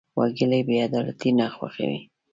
وګړي بېعدالتي نه خوښوي.